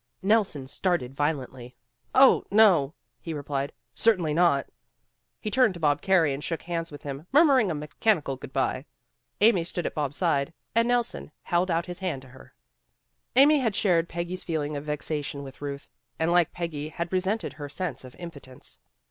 Nelson started violently. "Oh, no," he re plied, " certainly not." He turned to Bob Carey and shook hands with him, murmuring a mechanical good by. Amy stood at Bob's side and Nelson held out his hand to her. GOOD BY 183 Amy had shared Peggy's feeling of vexation with Euth, and like Peggy had resented her sense of impotence.